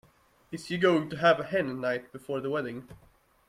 Is she going to have a hen night before the wedding?